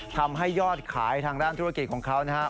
ทำให้ยอดขายทางด้านธุรกิจของเขานะครับ